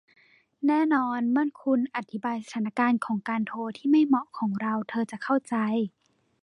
แน่นอนเมื่อคุณอธิบายสถานการณ์ของการโทรที่ไม่เหมาะของเราเธอจะเข้าใจ